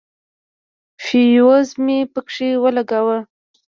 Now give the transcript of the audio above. فيوز مې پکښې ولګاوه.